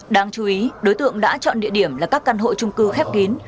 đáng chú ý đối tượng đã chọn địa điểm là các căn hộ trung cư khép kín